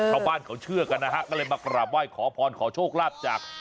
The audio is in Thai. ชาวบ้านเขาเชื่อกันนะฮะก็เลยมากราบไหว้ขอพรขอโชคลาภจาก